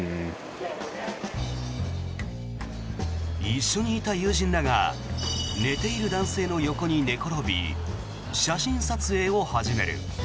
一緒にいた友人らが寝ている男性の横に寝転び写真撮影を始める。